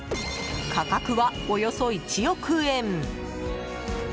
価格は、およそ１億円。